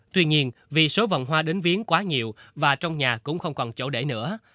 tuy nhiên vì số vòng hoa đến viến quá nhiều và trong nhà cũng không còn chỗ để nữa